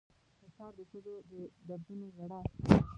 د ښار د ښځو د دردونو ژړا